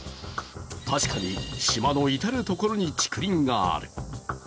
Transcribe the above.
確かに島の至る所に竹林がある。